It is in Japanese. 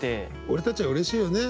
俺たちはうれしいよね